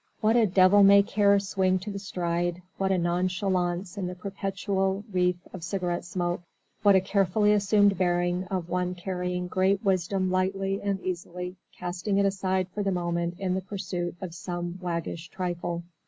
What a devil may care swing to the stride, what a nonchalance in the perpetual wreath of cigarette smoke, what a carefully assumed bearing of one carrying great wisdom lightly and easily casting it aside for the moment in the pursuit of some waggish trifle.